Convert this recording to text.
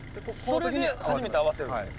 それで初めてアワせる。